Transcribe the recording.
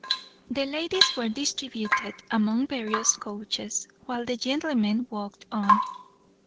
The ladies were distributed among various coaches, while the gentlemen walked on.